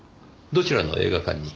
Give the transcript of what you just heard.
どちらの映画館に？